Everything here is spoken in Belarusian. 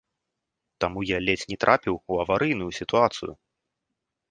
Таму я ледзь не трапіў у аварыйную сітуацыю.